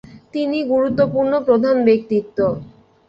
তিনি গুরুত্বপূর্ণ প্রধান ব্যক্তিত্ব।